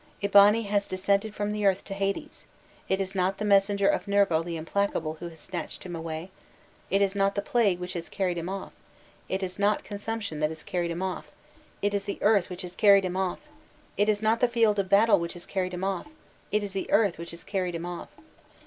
Eabani has descended from the earth to Hades; it is not the messenger of Nergal the implacable who has snatched him away, it is not the plague which has carried him off, it is not consumption that has carried him off, it is the earth which has carried him off; it is not the field of battle which has carried him off, it is the earth which has carried him off!"